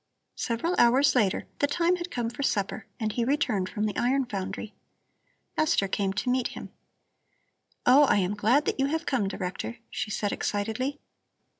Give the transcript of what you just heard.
Several hours later, the time had come for supper and he returned from the iron foundry. Esther came to meet him: "Oh, I am glad that you have come, Director," she said excitedly.